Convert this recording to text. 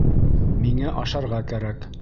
Миңә ашарға кәрәк.